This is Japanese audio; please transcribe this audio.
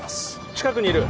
近くにいる！